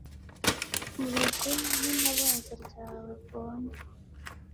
Mpurujwe nintabaza ryawe mbonye